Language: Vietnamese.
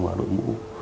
và đội mũ